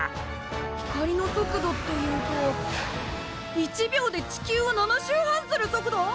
光の速度っていうと１秒で地球を７周半する速度！？